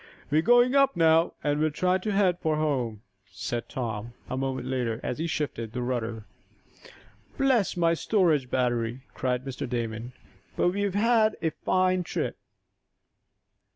"We're going up now, and will try to head for home," said Tom, a moment later, as he shifted the rudder. "Bless my storage battery!" cried Mr. Damon. "But we have had a fine trip."